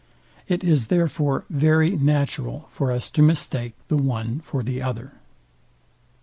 It is therefore very natural for us to mistake the one for the other.